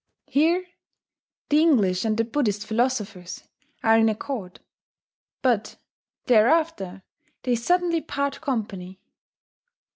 Here the English and the Buddhist philosophers are in accord; but thereafter they suddenly part company.